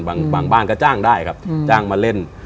บางบ้านก็จ้างได้ครับจ้างมาเล่น